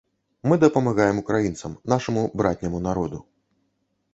Мы дапамагаем украінцам, нашаму братняму народу.